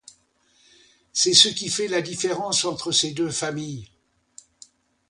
C’est ce qui fait la différence entre ces deux familles.